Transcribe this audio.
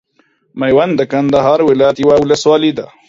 ميوند د کندهار ولايت یوه ولسوالۍ ده.